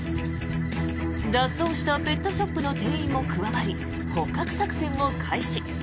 脱走したペットショップの店員も加わり、捕獲作戦も開始。